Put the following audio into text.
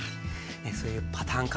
そういうパターン化